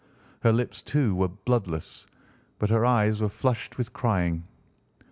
Her lips, too, were bloodless, but her eyes were flushed with crying.